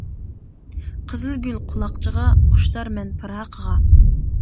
قىزىل گۈل قۇلاقچىغا، خۇشتارمەن پىراقىغا.